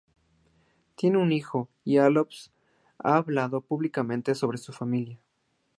Tienen un hijo, y Alsop ha hablado públicamente sobre su familia.